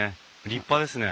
立派ですね。